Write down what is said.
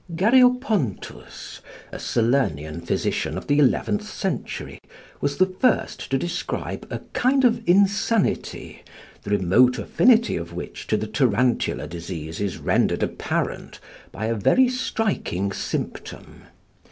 Gariopontus, a Salernian physician of the eleventh century, was the first to describe a kind of insanity, the remote affinity of which to the tarantula disease is rendered apparent by a very striking symptom.